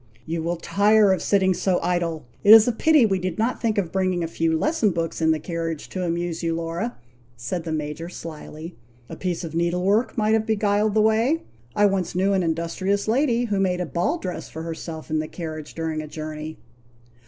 "You will tire of sitting so long idle! It is a pity we did not think of bringing a few lesson books in the carriage to amuse you, Laura," said the Major, slyly. "A piece of needle work might have beguiled the way. I once knew an industrious lady who made a ball dress for herself in the carriage during a journey."